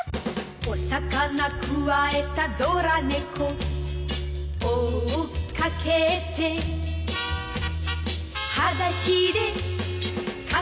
「お魚くわえたドラ猫」「追っかけて」「はだしでかけてく」